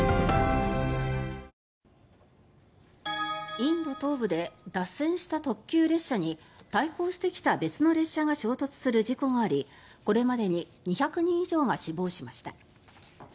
インド東部で脱線した特急列車に対向してきた別の列車が衝突する事故がありこれまでに２００人以上が死亡しました。